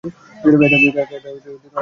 এটা বিয়ের অনুষ্ঠান।